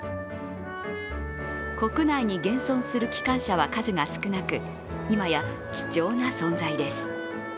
国内に現存する機関車は数が少なく、今や貴重な存在です。